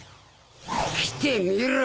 来てみろ！